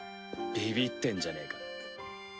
ビビってんじゃねか。